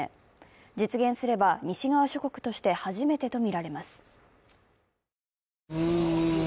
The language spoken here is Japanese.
実現すれば、西側諸国として初めてとみられます。